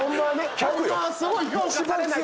１００よ。